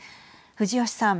藤吉さん。